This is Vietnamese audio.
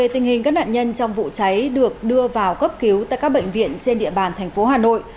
tình hình các nạn nhân trong vụ cháy được đưa vào cấp cứu tại các bệnh viện trên địa bàn thành phố hà nội